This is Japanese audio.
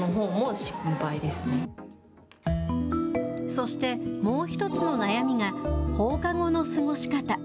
そして、もう１つの悩みが、放課後の過ごし方。